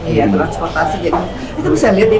iya transportasi juga